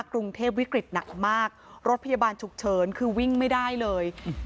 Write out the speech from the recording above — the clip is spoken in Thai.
กรุงเทพวิกฤตหนักมากรถพยาบาลฉุกเฉินคือวิ่งไม่ได้เลย